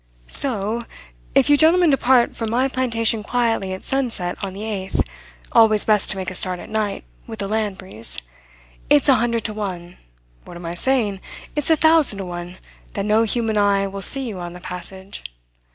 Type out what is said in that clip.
"So, if you gentlemen depart from my plantation quietly at sunset on the eighth always best to make a start at night, with a land breeze it's a hundred to one What am I saying? it's a thousand to one that no human eye will see you on the passage.